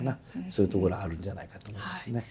そういうところあるんじゃないかと思いますね。